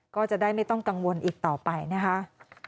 ก็จะได้ไม่ต้องกังวลอีกต่อไปนะคะ